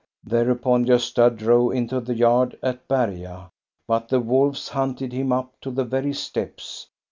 Thereupon Gosta drove into the yard at Berga, but the wolves hunted him up to the very steps.